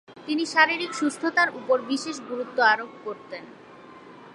তিনি শারীরিক সুস্থতার উপর বিশেষ গুরুত্ব আরোপ করতেন।